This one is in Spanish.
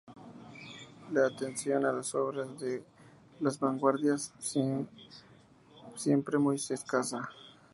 La atención a las obras de las vanguardias fue siempre muy escasa.